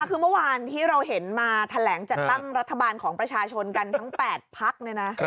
คือเมื่อวานที่เราเห็นมาแถลงจัดตั้งรัฐบาลของประชาชนกันทั้ง๘พักเนี่ยนะ